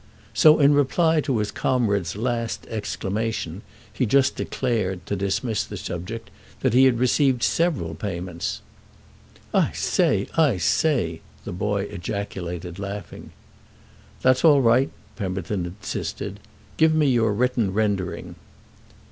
So in reply to his comrade's last exclamation he just declared, to dismiss the subject, that he had received several payments. "I say—I say!" the boy ejaculated, laughing. "That's all right," Pemberton insisted. "Give me your written rendering."